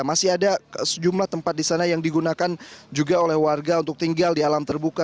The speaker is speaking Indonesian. masih ada sejumlah tempat di sana yang digunakan juga oleh warga untuk tinggal di alam terbuka